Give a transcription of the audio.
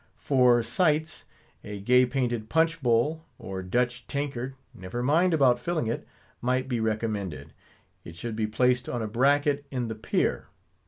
For sights, a gay painted punch bowl, or Dutch tankard—never mind about filling it—might be recommended. It should be placed on a bracket in the pier.